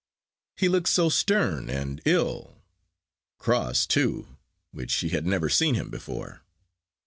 He looked so stern and ill! Cross, too, which she had never seen him before.